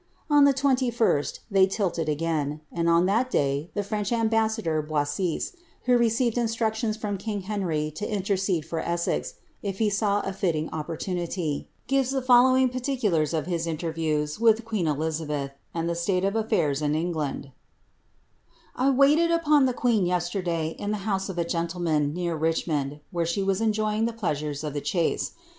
On the 21st, they tilted again; and on that day the French ambassa lor Boissise, who received instructions from king Henry to intercede for Bnex, if he saw a fitting opportunity, gives the following particulars of lis interviews with queen Elizabetli and the state of a&irs in Eng and: — <*l waited upon the queen yesterday in the house of a gentleman lear Richmond, where she was enjoying the pleasures of the chase.